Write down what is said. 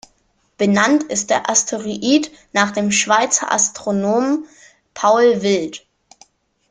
Benannt ist der Asteroid nach dem Schweizer Astronomen Paul Wild.